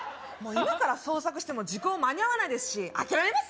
今から捜索しても時効間に合わないですし諦めます？